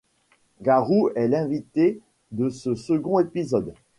Garou est l'invité de ce second épisode.